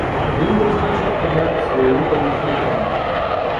Він призначить тебе своїм помічником.